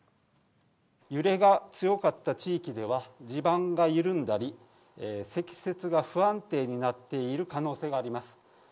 揺れが強かった地域では、地盤が緩んだり、積雪が不安定になっている可能性があります。